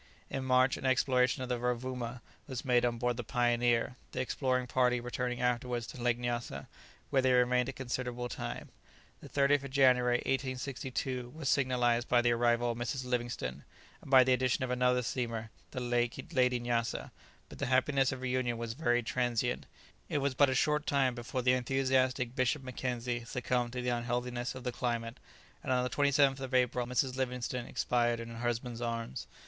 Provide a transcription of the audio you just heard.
In March an exploration of the Rovouma was made on board the "Pioneer," the exploring party returning afterwards to Lake Nyassa, where they remained a considerable time. The 30th of January, 1862, was signalized by the arrival of Mrs. Livingstone, and by the addition of another steamer, the "Lady Nyassa;" but the happiness of reunion was very transient; it was but a short time before the enthusiastic Bishop Mackenzie succumbed to the unhealthiness of the climate, and on the 27th of April Mrs. Livingstone expired in her husband's arms.